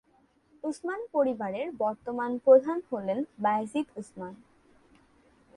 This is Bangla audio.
উসমান পরিবারের বর্তমান প্রধান হলেন বায়েজিদ উসমান।